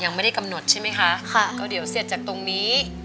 ยังไม่ได้กำหนดใช่ไหมคะค่ะก็เดี๋ยวเสร็จจากตรงนี้